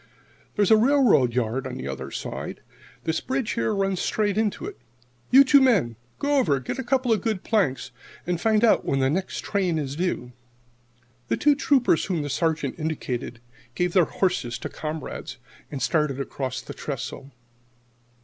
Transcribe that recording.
There's a railroad yard on the other side. This bridge, here, runs straight into it. You two men go over, get a couple of good planks, and find out when the next train is due." The two Troopers whom the Sergeant indicated gave their horses to a comrade and started away across the trestle.